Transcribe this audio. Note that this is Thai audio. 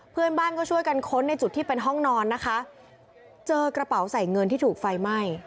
เพื่อนบ้านก็ช่วยกันค้นในจุดที่เป็นห้องนอนนะคะเจอกระเป๋าใส่เงินที่ถูกไฟไหม้